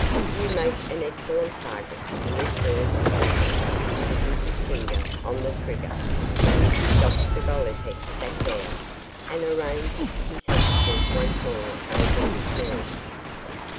'You make an excellent target,' he observed, quickly, putting his finger on the trigger. Dr Gollipeck sat down, and arranged his handkerchief once more over his knees.